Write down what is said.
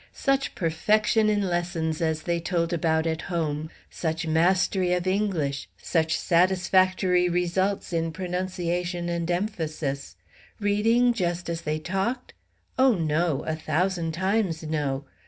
Such perfection in lessons as they told about at home such mastery of English, such satisfactory results in pronunciation and emphasis! Reading just as they talked? Oh, no, a thousand times no!